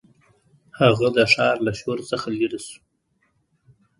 هغه د ښار له شور څخه لیرې شو.